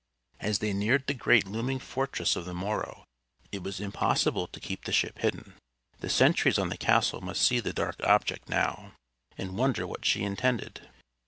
As they neared the great looming fortress of the Morro it was impossible to keep the ship hidden; the sentries on the castle must see the dark object now, and wonder what she intended.